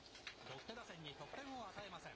ロッテ打線に得点を与えません。